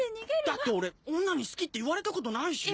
だって俺女に好きって言われたことないし。